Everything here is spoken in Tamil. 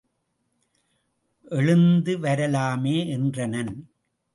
எழுந்து வரலாமே என்றனன்.